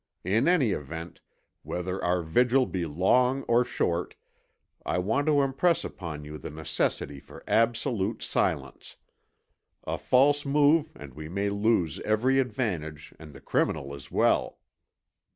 In any event, whether our vigil be long or short, I want to impress upon you the necessity for absolute silence. A false move and we may lose every advantage and the criminal as well."